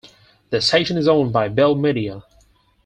The station is owned by Bell Media.